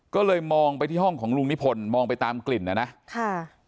ก็เลยมองไปที่ห้องของลุงนิพนธ์มองไปตามกลิ่นน่ะนะค่ะ